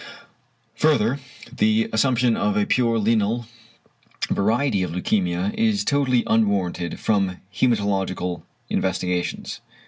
Further, the assumption of a pure =lienal= variety of leukæmia is totally unwarranted from hæmatological investigations.